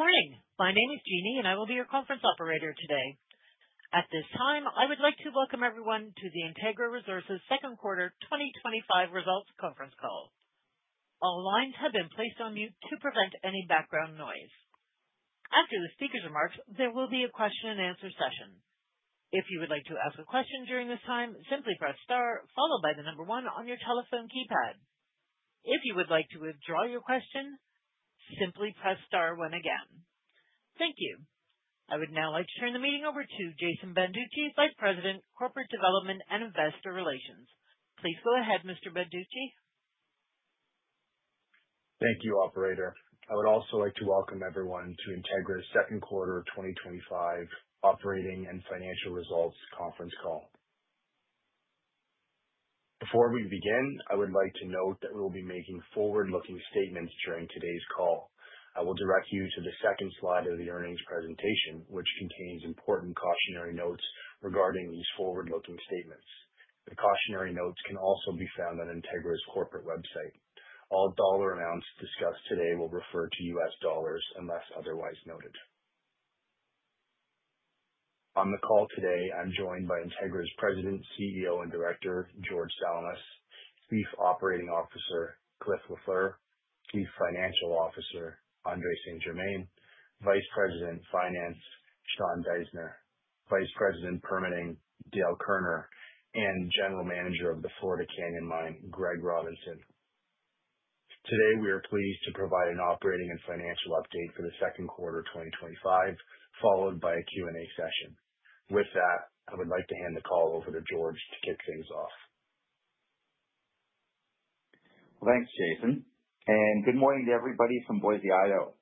Good morning. My name is Jeannie, and I will be your conference operator today. At this time, I would like to welcome everyone to the Integra Resources Second Quarter 2025 results conference call. All lines have been placed on mute to prevent any background noise. After the speakers' remarks, there will be a question-and-answer session. If you would like to ask a question during this time, simply press star, followed by the number one on your telephone keypad. If you would like to withdraw your question, simply press star again. Thank you. I would now like to turn the meeting over to Jason Banducci, Vice President, Corporate Development and Investor Relations. Please go ahead, Mr. Banducci. Thank you, Operator. I would also like to welcome everyone to Integra's Second Quarter 2025 operating and financial results conference call. Before we begin, I would like to note that we will be making forward-looking statements during today's call. I will direct you to the second slide of the earnings presentation, which contains important cautionary notes regarding these forward-looking statements. The cautionary notes can also be found on Integra's corporate website. All dollar amounts discussed today will refer to U.S. dollars unless otherwise noted. On the call today, I'm joined by Integra's President, CEO, and Director, George Salamis, Chief Operating Officer, Clifford Lafleur, Chief Financial Officer, Andrée St-Germain, Vice President Finance, Sean Deissner, Vice President Permitting, Dale Kerner, and General Manager of the Florida Canyon Mine, Greg Robinson. Today, we are pleased to provide an operating and financial update for the second quarter of 2025, followed by a Q&A session. With that, I would like to hand the call over to George to kick things off. Thanks, Jason. Good morning to everybody from Boise, Idaho.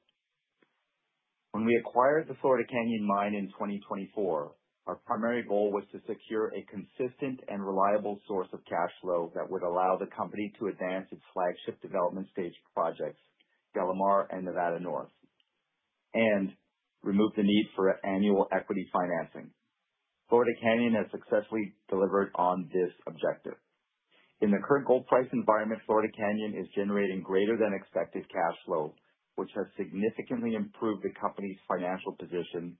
When we acquired the Florida Canyon Mine in 2024, our primary goal was to secure a consistent and reliable source of cash flow that would allow the company to advance its flagship development-stage projects, DeLamar and Nevada North, and remove the need for annual equity financing. Florida Canyon has successfully delivered on this objective. In the current gold price environment, Florida Canyon is generating greater-than-expected cash flow, which has significantly improved the company's financial position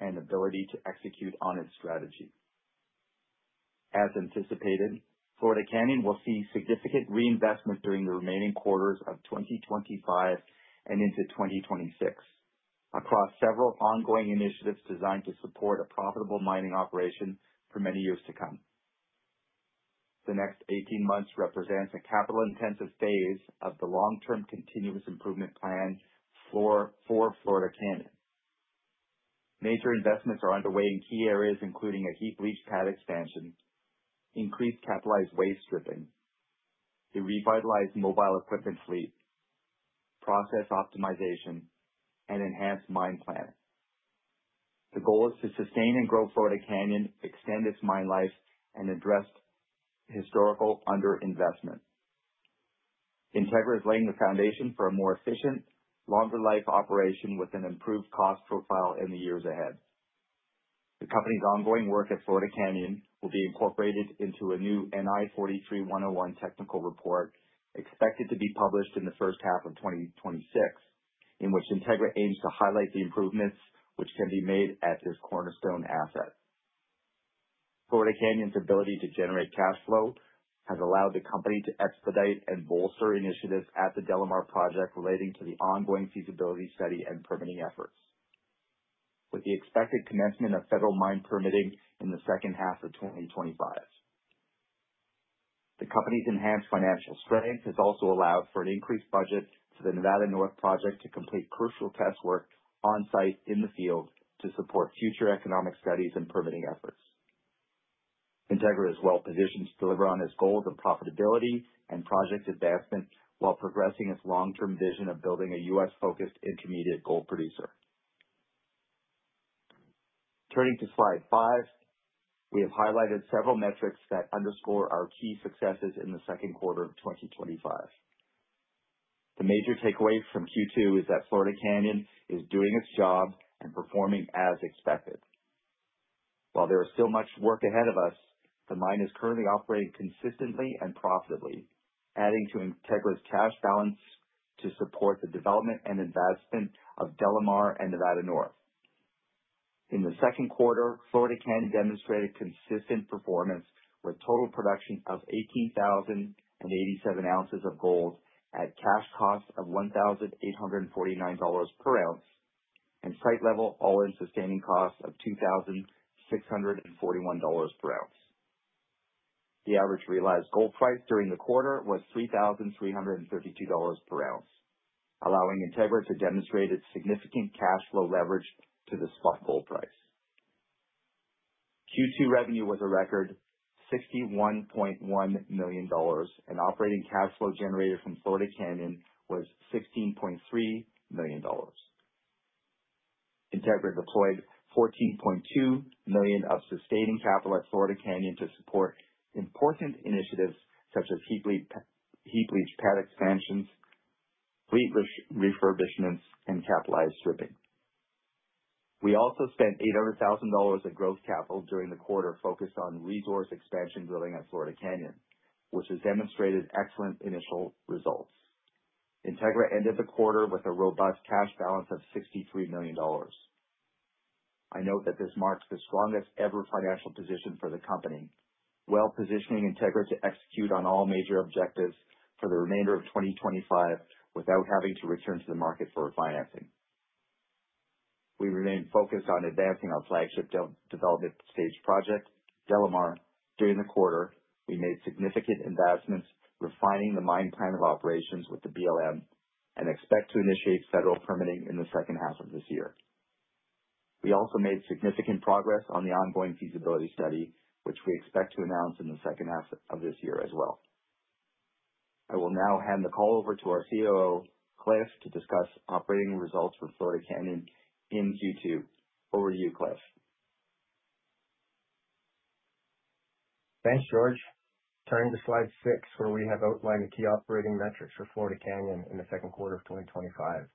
and ability to execute on its strategy. As anticipated, Florida Canyon will see significant reinvestment during the remaining quarters of 2025 and into 2026 across several ongoing initiatives designed to support a profitable mining operation for many years to come. The next 18 months represent a capital-intensive phase of the long-term continuous improvement plan for Florida Canyon. Major investments are underway in key areas, including a heap leach pad expansion, increased capitalized waste stripping, the revitalized mobile equipment fleet, process optimization, and enhanced mine plan. The goal is to sustain and grow Florida Canyon, extend its mine life, and address historical underinvestment. Integra is laying the foundation for a more efficient, longer-life operation with an improved cost profile in the years ahead. The company's ongoing work at Florida Canyon will be incorporated into a new NI 43-101 technical report expected to be published in the first half of 2026, in which Integra aims to highlight the improvements which can be made at this cornerstone asset. Florida Canyon's ability to generate cash flow has allowed the company to expedite and bolster initiatives at the DeLamar Project relating to the ongoing feasibility study and permitting efforts, with the expected commencement of federal mine permitting in the second half of 2025. The company's enhanced financial strength has also allowed for an increased budget for the Nevada North project to complete crucial test work on-site in the field to support future economic studies and permitting efforts. Integra is well-positioned to deliver on its goals of profitability and project advancement while progressing its long-term vision of building a U.S.-focused intermediate gold producer. Turning to slide five, we have highlighted several metrics that underscore our key successes in the second quarter of 2025. The major takeaway from Q2 is that Florida Canyon is doing its job and performing as expected. While there is still much work ahead of us, the mine is currently operating consistently and profitably, adding to Integra's cash balance to support the development and investment of DeLamar and Nevada North. In the second quarter, Florida Canyon demonstrated consistent performance with total production of 18,087 ounces of gold at cash cost of $1,849 per ounce and site-level all-in sustaining cost of $2,641 per ounce. The average realized gold price during the quarter was $3,332 per ounce, allowing Integra to demonstrate its significant cash flow leverage to the spot gold price. Q2 revenue was a record $61.1 million, and operating cash flow generated from Florida Canyon was $16.3 million. Integra deployed $14.2 million of sustaining capital at Florida Canyon to support important initiatives such as heap-leach pad expansions, fleet refurbishments, and capitalized stripping. We also spent $800,000 of growth capital during the quarter focused on resource expansion drilling at Florida Canyon, which has demonstrated excellent initial results. Integra ended the quarter with a robust cash balance of $63 million. I note that this marks the strongest-ever financial position for the company, well-positioning Integra to execute on all major objectives for the remainder of 2025 without having to return to the market for refinancing. We remain focused on advancing our flagship development-stage project, DeLamar, during the quarter. We made significant investments, refining the mine plan of operations with the BLM, and expect to initiate federal permitting in the second half of this year. We also made significant progress on the ongoing feasibility study, which we expect to announce in the second half of this year as well. I will now hand the call over to our COO, Cliff, to discuss operating results for Florida Canyon in Q2. Over to you, Cliff. Thanks, George. Turning to slide six, where we have outlined the key operating metrics for Florida Canyon in the second quarter of 2025.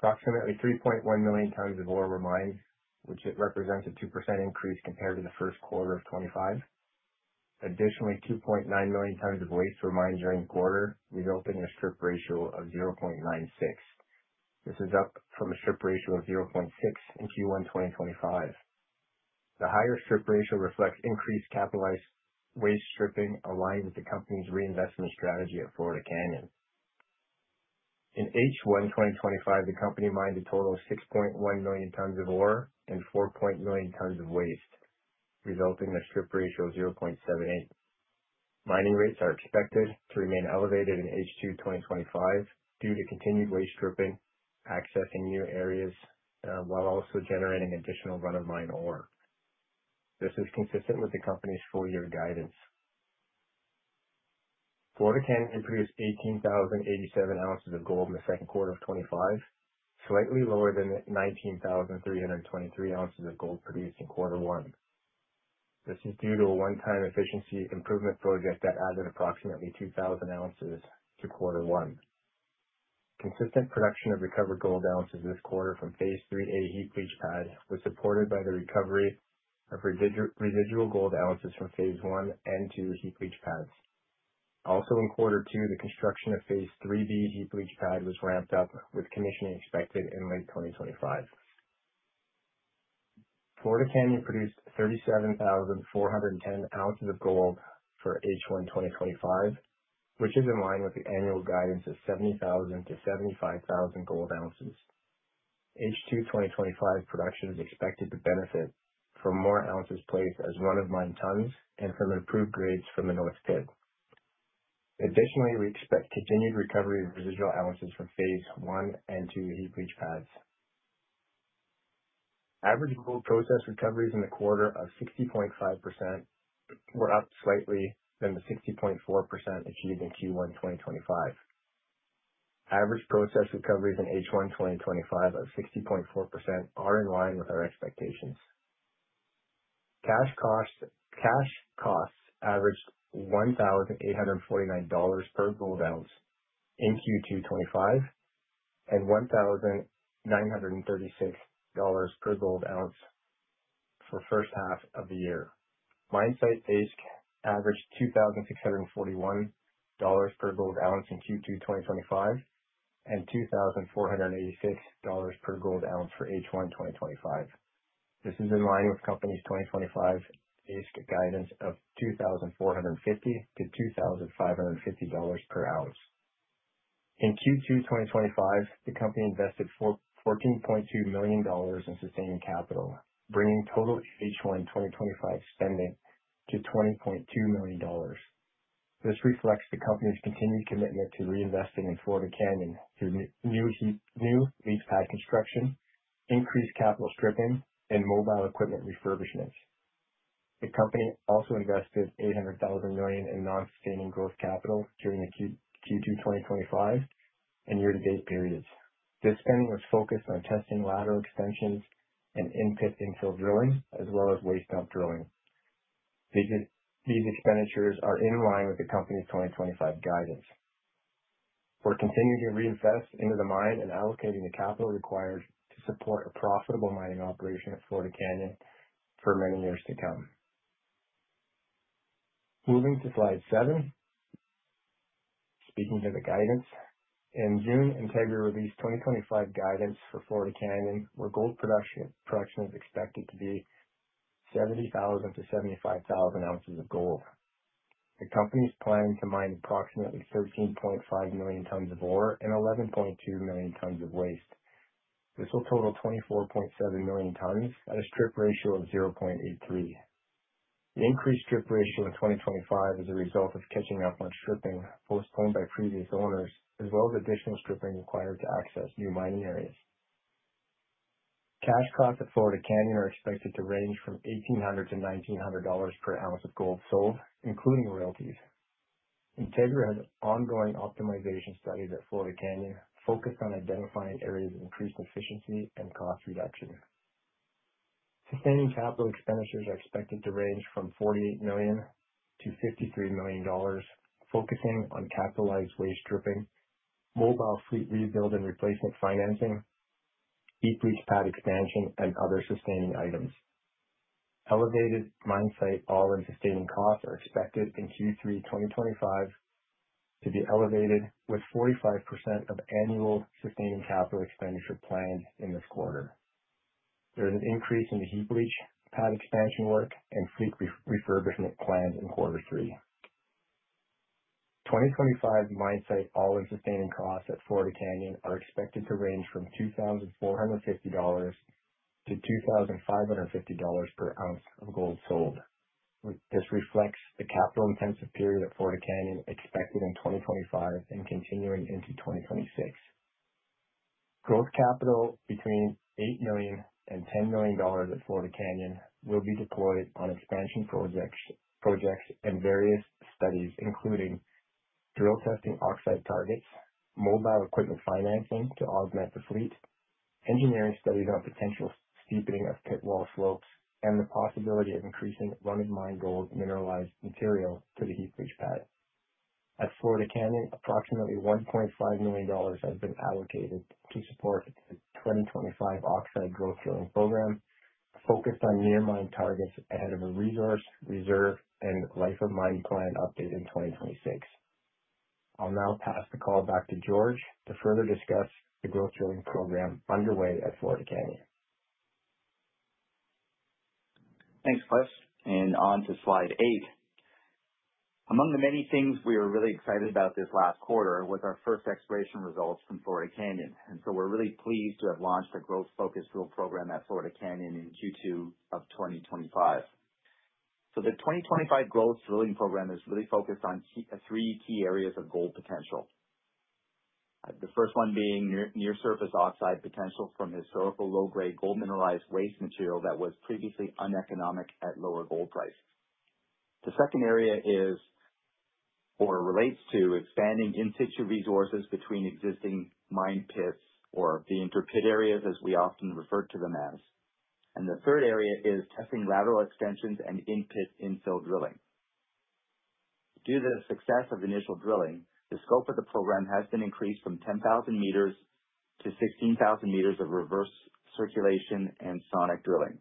Approximately 3.1 million tons of ore were mined, which represents a 2% increase compared to the first quarter of 2025. Additionally, 2.9 million tons of waste were mined during the quarter, resulting in a strip ratio of 0.96. This is up from a strip ratio of 0.6 in Q1 2025. The higher strip ratio reflects increased capitalized waste stripping, aligned with the company's reinvestment strategy at Florida Canyon. In H1 2025, the company mined a total of 6.1 million tons of ore and 4.9 million tons of waste, resulting in a strip ratio of 0.78. Mining rates are expected to remain elevated in H2 2025 due to continued waste stripping, accessing new areas, while also generating additional run-of-mine ore. This is consistent with the company's four-year guidance. Florida Canyon produced 18,087 ounces of gold in the second quarter of 2025, slightly lower than the 19,323 ounces of gold produced in quarter one. This is due to a one-time efficiency improvement project that added approximately 2,000 ounces to quarter one. Consistent production of recovered gold ounces this quarter from Phase 3A heap leach pad was supported by the recovery of residual gold ounces from Phase 1 and 2 heap leach pads. Also, in quarter two, the construction of Phase 3B heap leach pad was ramped up, with commissioning expected in late 2025. Florida Canyon produced 37,410 ounces of gold for H1 2025, which is in line with the annual guidance of 70,000-75,000 gold ounces. H2 2025 production is expected to benefit from more ounces placed as run-of-mine tons and from improved grades from the North Pit. Additionally, we expect continued recovery of residual ounces from Phase 1 and 2 heap-leach pads. Average gold process recoveries in the quarter of 60.5% were up slightly than the 60.4% achieved in Q1 2025. Average process recoveries in H1 2025 of 60.4% are in line with our expectations. Cash costs averaged $1,849 per gold ounce in Q2 2025 and $1,936 per gold ounce for the first half of the year. Mine site AISC averaged $2,641 per gold ounce in Q2 2025 and $2,486 per gold ounce for H1 2025. This is in line with the company's 2025 AISC guidance of $2,450-$2,550 per ounce. In Q2 2025, the company invested $14.2 million in sustaining capital, bringing total H1 2025 spending to $20.2 million. This reflects the company's continued commitment to reinvesting in Florida Canyon through new leach pad construction, increased capital stripping, and mobile equipment refurbishments. The company also invested $800,000 in non-sustaining growth capital during Q2 2025 and year-to-date periods. This spending was focused on testing lateral extensions and in-pit infill drilling, as well as waste dump drilling. These expenditures are in line with the company's 2025 guidance. We're continuing to reinvest into the mine and allocating the capital required to support a profitable mining operation at Florida Canyon for many years to come. Moving to slide seven, speaking to the guidance. In June, Integra released 2025 guidance for Florida Canyon, where gold production is expected to be 70,000-75,000 ounces of gold. The company's plan to mine approximately 13.5 million tons of ore and 11.2 million tons of waste. This will total 24.7 million tons at a strip ratio of 0.83. The increased strip ratio in 2025 is a result of catching up on stripping postponed by previous owners, as well as additional stripping required to access new mining areas. Cash costs at Florida Canyon are expected to range from $1,800-$1,900 per ounce of gold sold, including royalties. Integra has ongoing optimization studies at Florida Canyon focused on identifying areas of increased efficiency and cost reduction. Sustaining capital expenditures are expected to range from $48 million-$53 million, focusing on capitalized waste stripping, mobile fleet rebuild and replacement financing, heap leach pad expansion, and other sustaining items. Elevated mine site all-in sustaining costs are expected in Q3 2025 to be elevated, with 45% of annual sustaining capital expenditure planned in this quarter. There is an increase in the heap leach pad expansion work and fleet refurbishment planned in quarter three. 2025 mine site all-in sustaining costs at Florida Canyon are expected to range from $2,450-$2,550 per ounce of gold sold. This reflects the capital-intensive period at Florida Canyon expected in 2025 and continuing into 2026. Growth capital between $8 million and $10 million at Florida Canyon will be deployed on expansion projects and various studies, including drill testing oxide targets, mobile equipment financing to augment the fleet, engineering studies on potential steepening of pit wall slopes, and the possibility of increasing run-of-mine gold mineralized material to the heap-leach pad. At Florida Canyon, approximately $1.5 million has been allocated to support the 2025 oxide growth drilling program, focused on near-mine targets ahead of a resource reserve and life-of-mine plan update in 2026. I'll now pass the call back to George to further discuss the growth drilling program underway at Florida Canyon. Thanks, Cliff. And on to slide eight. Among the many things we are really excited about this last quarter was our first exploration results from Florida Canyon. And so we're really pleased to have launched a growth-focused drill program at Florida Canyon in Q2 of 2025. So the 2025 growth drilling program is really focused on three key areas of gold potential, the first one being near-surface oxide potential from historical low-grade gold mineralized waste material that was previously uneconomic at lower gold price. The second area is or relates to expanding in-situ resources between existing mine pits or the interpit areas, as we often refer to them as. And the third area is testing lateral extensions and in-pit infill drilling. Due to the success of initial drilling, the scope of the program has been increased from 10,000 meters to 16,000 meters of reverse circulation and sonic drilling.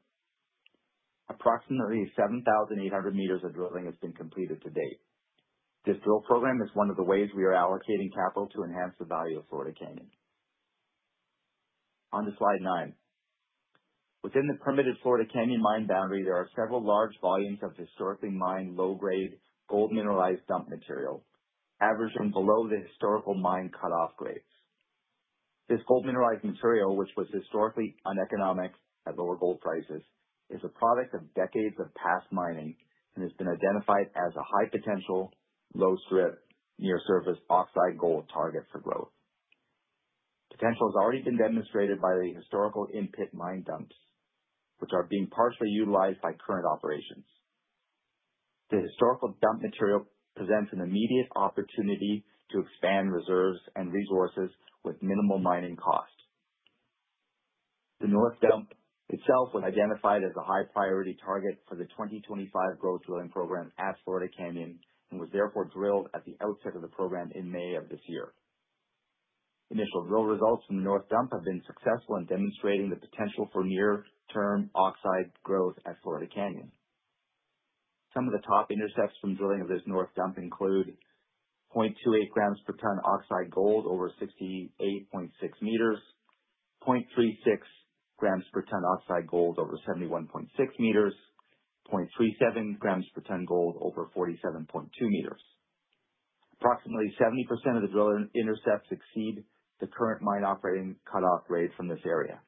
Approximately 7,800 meters of drilling has been completed to date. This drill program is one of the ways we are allocating capital to enhance the value of Florida Canyon. On to slide nine. Within the permitted Florida Canyon mine boundary, there are several large volumes of historically mined low-grade gold mineralized dump material, averaging below the historical mine cutoff grades. This gold mineralized material, which was historically uneconomic at lower gold prices, is a product of decades of past mining and has been identified as a high-potential, low-strip, near-surface oxide gold target for growth. Potential has already been demonstrated by the historical in-pit mine dumps, which are being partially utilized by current operations. The historical dump material presents an immediate opportunity to expand reserves and resources with minimal mining cost. The North Dump itself was identified as a high-priority target for the 2025 growth drilling program at Florida Canyon and was therefore drilled at the outset of the program in May of this year. Initial drill results from the North Dump have been successful in demonstrating the potential for near-term oxide growth at Florida Canyon. Some of the top intercepts from drilling of this North Dump include 0.28 grams per ton oxide gold over 68.6 meters, 0.36 grams per ton oxide gold over 71.6 meters, 0.37 grams per ton gold over 47.2 meters. Approximately 70% of the drill intercepts exceed the current mine operating cutoff grade from this area.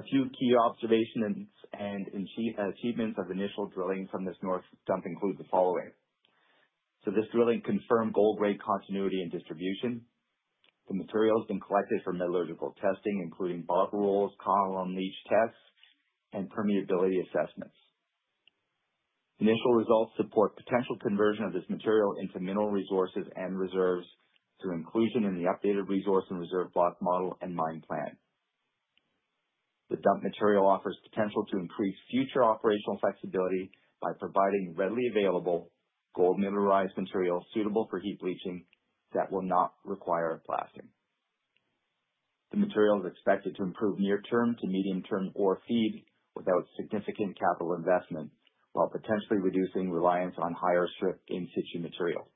A few key observations and achievements of initial drilling from this North Dump include the following. This drilling confirmed gold-grade continuity and distribution. The material has been collected for metallurgical testing, including bottle rolls, column leach tests, and permeability assessments. Initial results support potential conversion of this material into mineral resources and reserves through inclusion in the updated resource and reserve block model and mine plan. The dump material offers potential to increase future operational flexibility by providing readily available gold mineralized material suitable for heap leaching that will not require blasting. The material is expected to improve near-term to medium-term ore feed without significant capital investment, while potentially reducing reliance on higher strip in-situ material.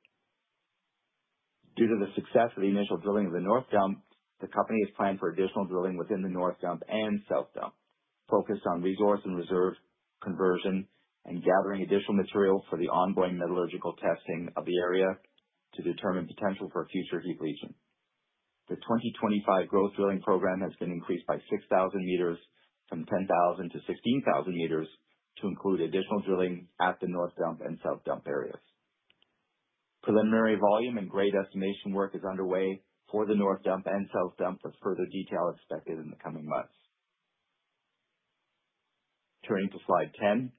Due to the success of the initial drilling of the North Dump, the company has planned for additional drilling within the North Dump and South Dump, focused on resource and reserve conversion and gathering additional material for the ongoing metallurgical testing of the area to determine potential for future heap leaching. The 2025 growth drilling program has been increased by 6,000 meters from 10,000 to 16,000 meters to include additional drilling at the North Dump and South Dump areas. Preliminary volume and grade estimation work is underway for the North Dump and South Dump with further detail expected in the coming months. Turning to slide 10,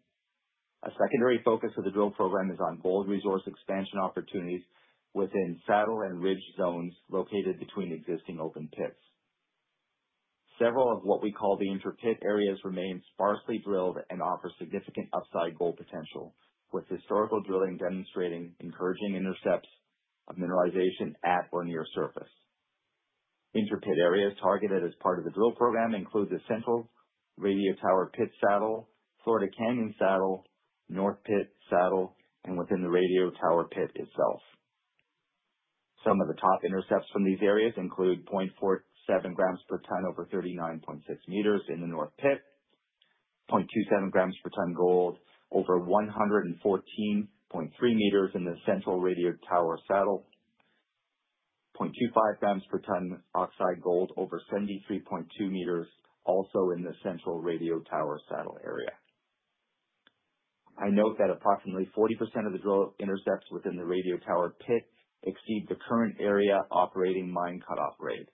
a secondary focus of the drill program is on gold resource expansion opportunities within saddle and ridge zones located between existing open pits. Several of what we call the interpit areas remain sparsely drilled and offer significant upside gold potential, with historical drilling demonstrating encouraging intercepts of mineralization at or near surface. Interpit areas targeted as part of the drill program include the Central Radio Tower Saddle, Florida Canyon Saddle, North Pit Saddle, and within the Radio Tower Pit itself. Some of the top intercepts from these areas include 0.47 grams per ton over 39.6 meters in the North Pit, 0.27 grams per ton gold over 114.3 meters in the Central Radio Tower Saddle, 0.25 grams per ton oxide gold over 73.2 meters also in the Central Radio Tower Saddle area. I note that approximately 40% of the drill intercepts within the Radio Tower Pit exceed the current area operating mine cutoff grade.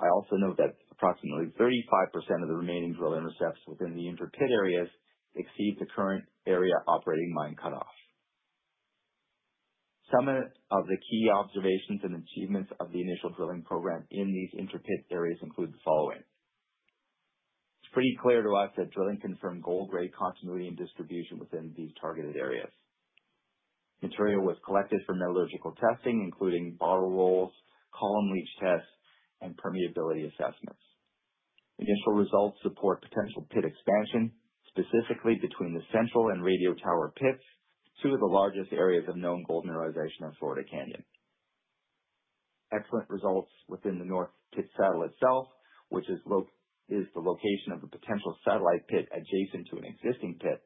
I also note that approximately 35% of the remaining drill intercepts within the interpit areas exceed the current area operating mine cutoff. Some of the key observations and achievements of the initial drilling program in these interpit areas include the following. It's pretty clear to us that drilling confirmed gold-grade continuity and distribution within these targeted areas. Material was collected for metallurgical testing, including bottle rolls, column leach tests, and permeability assessments. Initial results support potential pit expansion, specifically between the Central and Radio Tower pits, two of the largest areas of known gold mineralization at Florida Canyon. Excellent results within the North Pit Saddle itself, which is the location of a potential satellite pit adjacent to an existing pit.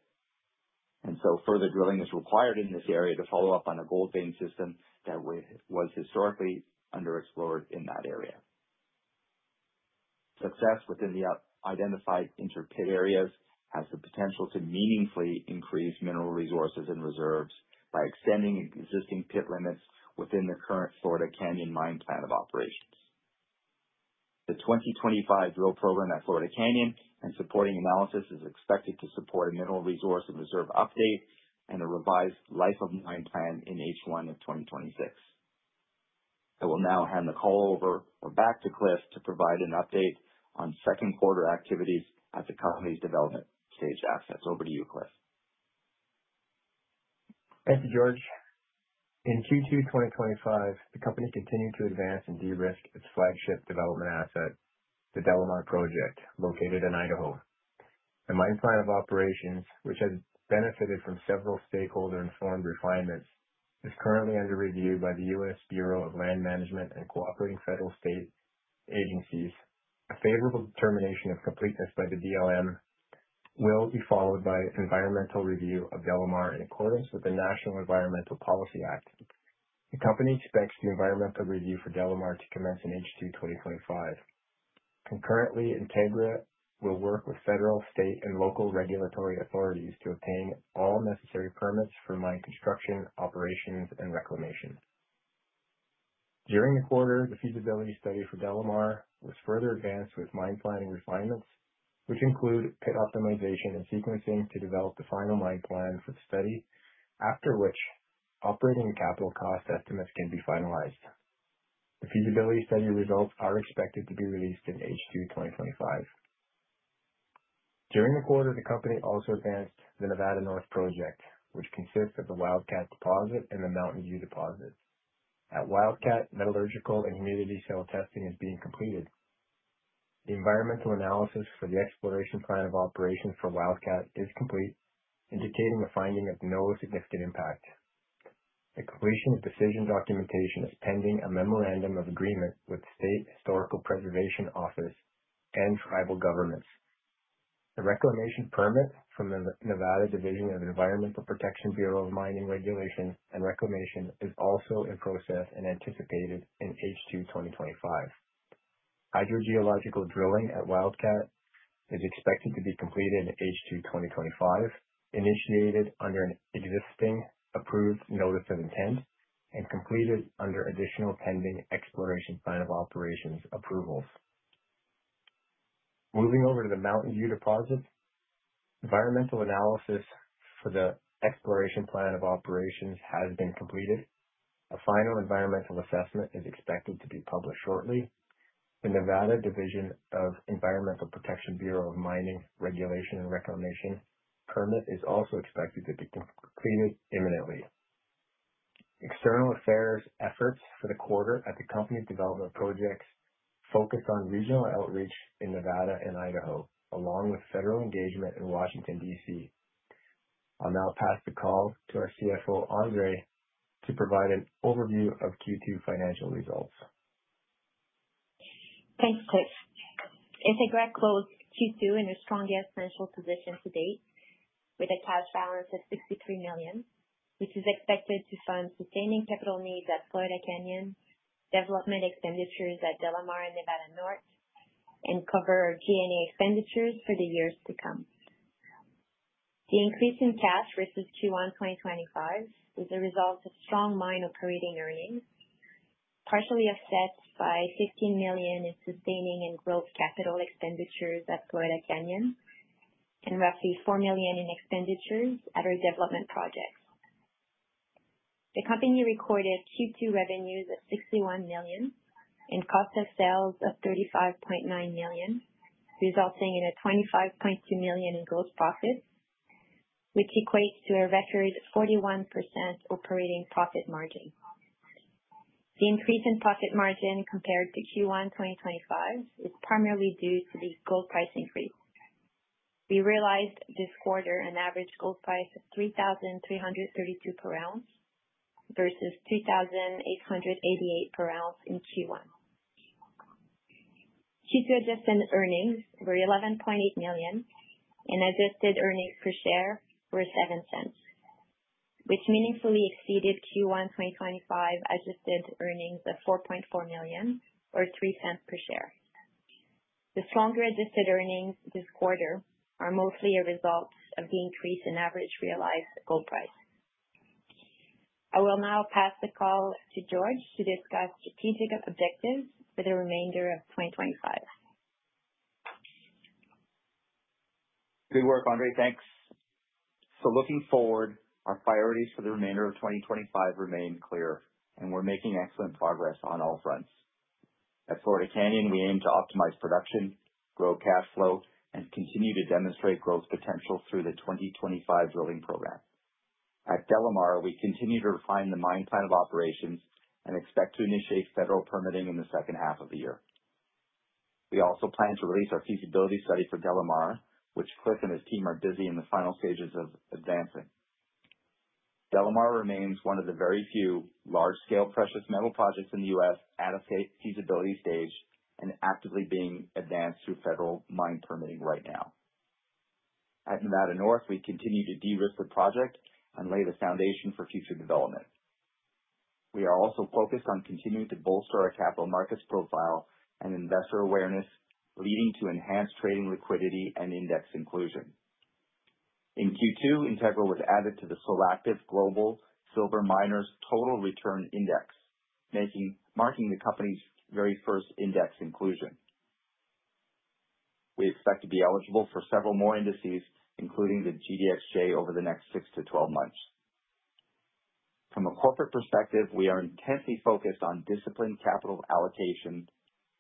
And so further drilling is required in this area to follow up on a gold vein system that was historically underexplored in that area. Success within the identified interpit areas has the potential to meaningfully increase mineral resources and reserves by extending existing pit limits within the current Florida Canyon mine plan of operations. The 2025 drill program at Florida Canyon and supporting analysis is expected to support a mineral resource and reserve update and a revised life-of-mine plan in H1 of 2026. I will now hand the call over back to Cliff to provide an update on second quarter activities at the company's development stage assets. Over to you, Cliff. Thank you, George. In Q2 2025, the company continued to advance and de-risk its flagship development asset, the DeLamar Project, located in Idaho. The mine plan of operations, which has benefited from several stakeholder-informed refinements, is currently under review by the U.S. Bureau of Land Management and cooperating federal state agencies. A favorable determination of completeness by the BLM will be followed by environmental review of DeLamar in accordance with the National Environmental Policy Act. The company expects the environmental review for DeLamar to commence in H2 2025. Concurrently, Integra will work with federal, state, and local regulatory authorities to obtain all necessary permits for mine construction, operations, and reclamation. During the quarter, the feasibility study for DeLamar was further advanced with mine planning refinements, which include pit optimization and sequencing to develop the final mine plan for the study, after which operating capital cost estimates can be finalized. The feasibility study results are expected to be released in H2 2025. During the quarter, the company also advanced the Nevada North Project, which consists of the Wildcat Deposit and the Mountain View Deposit. At Wildcat, metallurgical and humidity cell testing is being completed. The environmental analysis for the exploration plan of operations for Wildcat is complete, indicating a finding of no significant impact. The completion of decision documentation is pending a memorandum of agreement with the State Historic Preservation Office and tribal governments. The reclamation permit from the Nevada Division of Environmental Protection Bureau of Mining Regulation and Reclamation is also in process and anticipated in H2 2025. Hydrogeological drilling at Wildcat is expected to be completed in H2 2025, initiated under an existing approved notice of intent and completed under additional pending exploration plan of operations approvals. Moving over to the Mountain View Deposit, environmental analysis for the exploration plan of operations has been completed. A final environmental assessment is expected to be published shortly. The Nevada Division of Environmental Protection Bureau of Mining Regulation and Reclamation permit is also expected to be completed imminently. External affairs efforts for the quarter at the company's development projects focus on regional outreach in Nevada and Idaho, along with federal engagement in Washington, D.C. I'll now pass the call to our CFO, Andre, to provide an overview of Q2 financial results. Thanks, Cliff. Integra closed Q2 in a strong financial position to date with a cash balance of $63 million, which is expected to fund sustaining capital needs at Florida Canyon, development expenditures at DeLamar and Nevada North, and cover G&A expenditures for the years to come. The increase in cash versus Q1 2025 is a result of strong mine operating earnings, partially offset by $15 million in sustaining and growth capital expenditures at Florida Canyon and roughly $4 million in expenditures at our development projects. The company recorded Q2 revenues of $61 million and cost of sales of $35.9 million, resulting in $25.2 million in gross profit, which equates to a record 41% operating profit margin. The increase in profit margin compared to Q1 2025 is primarily due to the gold price increase. We realized this quarter an average gold price of $3,332 per ounce versus $3,888 per ounce in Q1. Q2 adjusted earnings were $11.8 million, and adjusted earnings per share were $0.07, which meaningfully exceeded Q1 2025 adjusted earnings of $4.4 million or $0.03 per share. The stronger adjusted earnings this quarter are mostly a result of the increase in average realized gold price. I will now pass the call to George to discuss strategic objectives for the remainder of 2025. Good work, Andre. Thanks. So looking forward, our priorities for the remainder of 2025 remain clear, and we're making excellent progress on all fronts. At Florida Canyon, we aim to optimize production, grow cash flow, and continue to demonstrate growth potential through the 2025 drilling program. At DeLamar, we continue to refine the mine plan of operations and expect to initiate federal permitting in the second half of the year. We also plan to release our feasibility study for DeLamar, which Cliff and his team are busy in the final stages of advancing. DeLamar remains one of the very few large-scale precious metal projects in the U.S. at a feasibility stage and actively being advanced through federal mine permitting right now. At Nevada North, we continue to de-risk the project and lay the foundation for future development. We are also focused on continuing to bolster our capital markets profile and investor awareness, leading to enhanced trading liquidity and index inclusion. In Q2, Integra was added to the Solactive Global Silver Miners Total Return Index, marking the company's very first index inclusion. We expect to be eligible for several more indices, including the GDXJ, over the next six to 12 months. From a corporate perspective, we are intensely focused on disciplined capital allocation,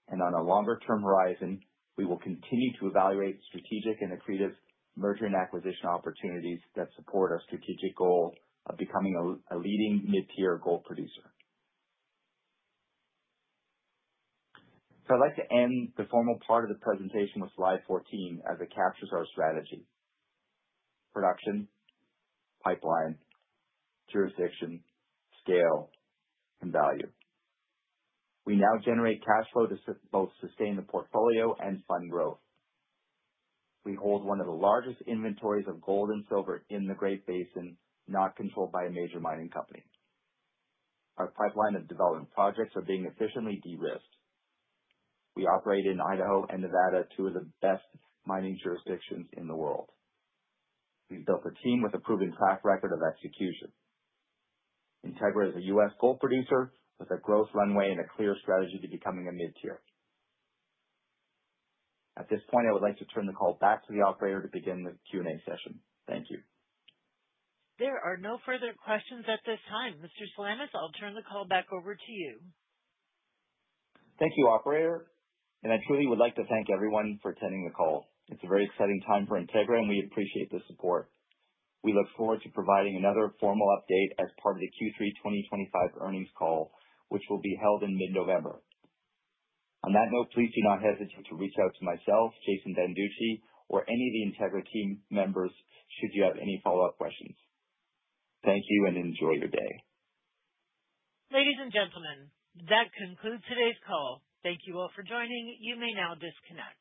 and on a longer-term horizon, we will continue to evaluate strategic and accretive merger and acquisition opportunities that support our strategic goal of becoming a leading mid-tier gold producer. So I'd like to end the formal part of the presentation with slide 14, as it captures our strategy: production, pipeline, jurisdiction, scale, and value. We now generate cash flow to both sustain the portfolio and fund growth. We hold one of the largest inventories of gold and silver in the Great Basin, not controlled by a major mining company. Our pipeline and development projects are being efficiently de-risked. We operate in Idaho and Nevada, two of the best mining jurisdictions in the world. We've built a team with a proven track record of execution. Integra is a U.S. gold producer with a growth runway and a clear strategy to becoming a mid-tier. At this point, I would like to turn the call back to the operator to begin the Q&A session. Thank you. There are no further questions at this time. Mr. Salamis, I'll turn the call back over to you. Thank you, operator, and I truly would like to thank everyone for attending the call. It's a very exciting time for Integra, and we appreciate the support. We look forward to providing another formal update as part of the Q3 2025 earnings call, which will be held in mid-November. On that note, please do not hesitate to reach out to myself, Jason Banducci, or any of the Integra team members should you have any follow-up questions. Thank you and enjoy your day. Ladies and gentlemen, that concludes today's call. Thank you all for joining. You may now disconnect.